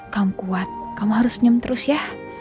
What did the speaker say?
kaum kuat kamu harus senyum terus ya